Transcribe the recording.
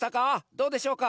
どうでしょうか？